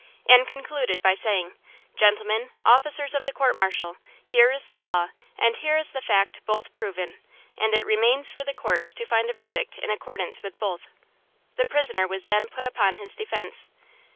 And concluded by saying: "Gentlemen, officers of the court martial, here is the law and here is the fact both proven, and it remains for the court to find a verdict in accordance with both." The prisoner was then put upon his defence.